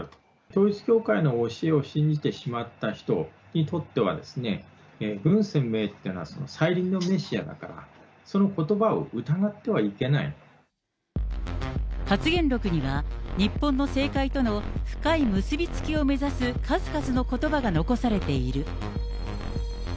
統一教会の教えを信じてしまった人にとってはですね、文鮮明というのは再臨のメシアだから、発言録には、日本の政界との深い結び付きを目指す数々のことばが残されている。